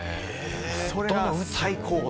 それが最高。